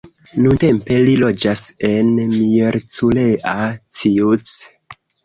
Nuntempe li loĝas en Miercurea Ciuc.